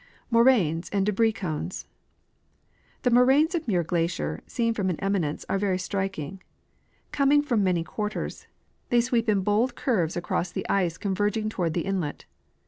Moraines and Debris Cones. The moraines of Muir glacier, seen from an eminence, are very striking. Coming from many quarters, they sweep in bold curves The medial Moraines. 33 across the ice converging toward the inlet.